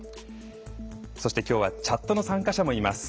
そしてきょうはチャットの参加者もいます。